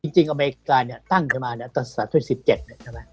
จริงอเมริกาตั้งมาตั้งแต่๒๐๑๗